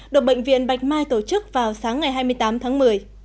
được bệnh viện bạch mai tổ chức vào sáng ngày hai mươi tám tháng một mươi